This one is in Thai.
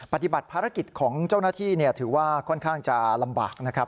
ปฏิบัติภารกิจของเจ้าหน้าที่ถือว่าค่อนข้างจะลำบากนะครับ